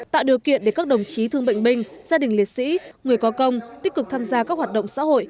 tạo điều kiện để các đồng chí thương bệnh binh gia đình liệt sĩ người có công tích cực tham gia các hoạt động xã hội